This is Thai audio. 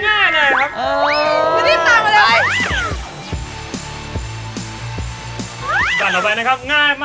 มันไม่ได้ง่ายเลยครับ